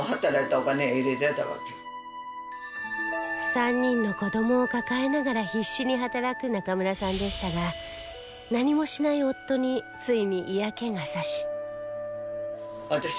３人の子供を抱えながら必死に働く中村さんでしたが何もしない夫についに嫌気が差し